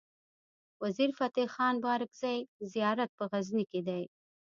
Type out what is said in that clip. وزیر فتح خان بارګزی زيارت په غزنی کی دی